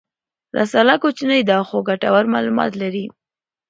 رساله کوچنۍ ده خو ګټور معلومات لري.